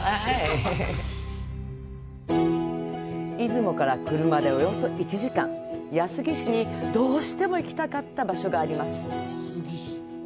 出雲から車でおよそ１時間安来市にどうしても行きたかった場所があります。